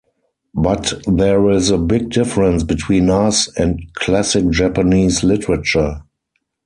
But there is a big difference between us and classic Japanese literature.